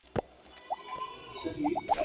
د رقیب دي زړه را سوړ کی زړه دي وچوه اسمانه ..